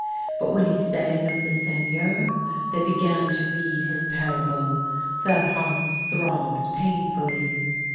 But when he sang of the Seigneur they began to read his parable. Their hearts throbbed painfully.